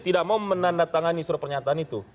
tidak mau menandatangani surat pernyataan itu